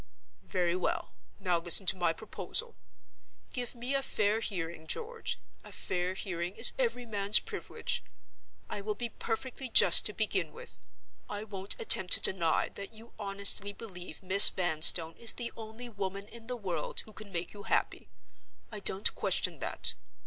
"Very well. Now listen to my proposal. Give me a fair hearing, George—a fair hearing is every man's privilege. I will be perfectly just to begin with. I won't attempt to deny that you honestly believe Miss Vanstone is the only woman in the world who can make you happy. I don't question that.